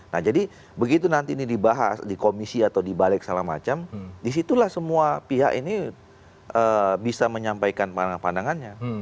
nah jadi begitu nanti ini dibahas di komisi atau dibalik salah macam disitulah semua pihak ini bisa menyampaikan pandangannya